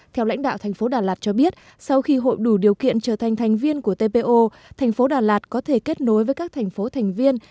theo lãnh đạo thành phố đà lạt cho biết sau khi hội đủ điều kiện trở thành thành viên của tpo thành phố đà lạt có thể kết nối với các thành phố thành viên